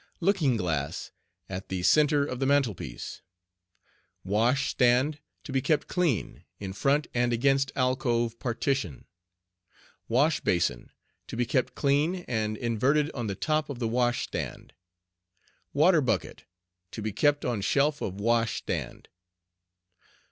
LOOKING GLASS At the centre of the mantel piece. WASH STAND To be kept clean, in front and against alcove partition. WASH BASIN To be kept clean, and inverted on the top of the Wash stand. WATER BUCKET To be kept on shelf of wash stand.